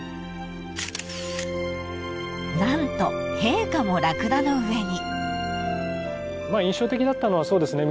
［何と陛下もラクダの上に］